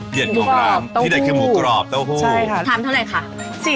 เดี๋ยวของร้านที่เด็ดคือหมูกรอบเต้าหู้ใช่ค่ะหมูกรอบเต้าหู้